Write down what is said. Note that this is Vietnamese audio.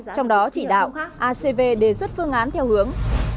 trong đó chỉ đạo acv đề xuất phương án theo hướng